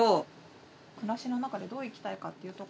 暮らしの中でどう生きたいかというところを。